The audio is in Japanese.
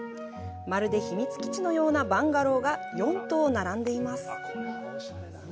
まるで秘密基地のようなバンガローが４棟並んでいます。